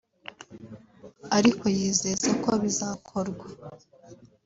ariko yizeza ko bizakorwa